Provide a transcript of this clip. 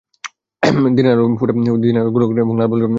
দিনের আলো ফুরোনোর আগেই দিনের খেলা গোটানো এবং লাল বলে ম্যাচ খেলা।